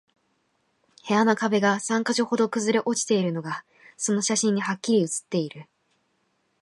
部屋の壁が三箇所ほど崩れ落ちているのが、その写真にハッキリ写っている